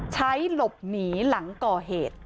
ใช้หลบหนีหลังก่อเหตุ